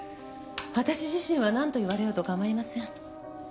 私自身はなんと言われようと構いません。